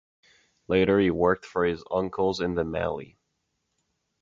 Later, he worked for his uncles in The Mallee.